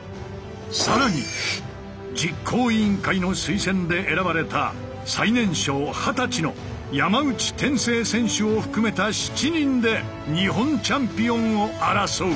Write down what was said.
更に実行委員会の推薦で選ばれた最年少二十歳の山内天晴選手を含めた７人で日本チャンピオンを争う。